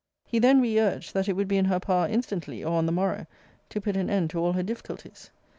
He then re urged, that it would be in her power instantly, or on the morrow, to put an end to all her difficulties.